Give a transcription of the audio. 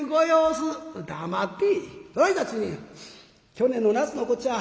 「去年の夏のこっちゃ。